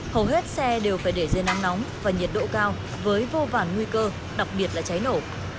hầu hết xe đều phải để dưới nắng nóng và nhiệt độ cao với vô vàn nguy cơ đặc biệt là cháy nổ